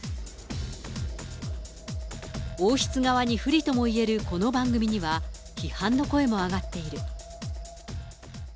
王室側に不利ともいえるこの番組には、批判の声も上がっている。